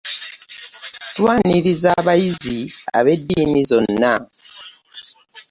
Twaniriza abayizi ab'eddiini zonna.